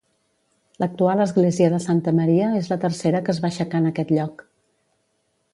L'actual església de Santa Maria és la tercera que es va aixecar en aquest lloc.